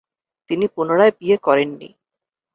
তিনি পুনরায় বিয়ে করেননি।